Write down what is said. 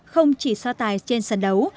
không chỉ so tài trên sàn đấu